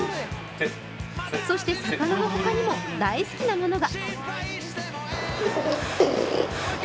そして魚の他にも大好きなものが。